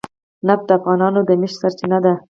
نفت د افغانانو د معیشت سرچینه ده.